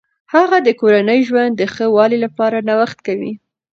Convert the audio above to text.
هغه د کورني ژوند د ښه والي لپاره نوښت کوي.